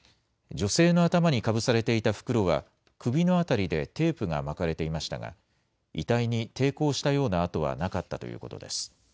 女性の頭にかぶされていた袋は、首の辺りでテープが巻かれていましたが、遺体に抵抗したようなあとはなかったということです。